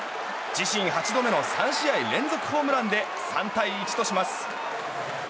自身８度目の３試合連続ホームランで３対１とします。